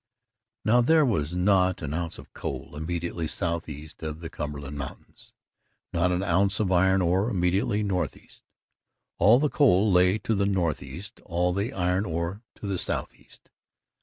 Now there was not an ounce of coal immediately south east of the Cumberland Mountains not an ounce of iron ore immediately north east; all the coal lay to the north east; all of the iron ore to the south east.